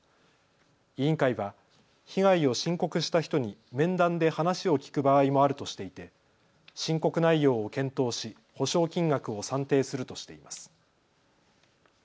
委員会は被害を申告した人に面談で話を聞く場合もあるとしていて申告内容を検討し補償金額を算定するとしています。